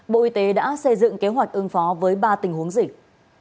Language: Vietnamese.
bộ y tế đã xây dựng kế hoạch ứng phó với ba tình huống dịch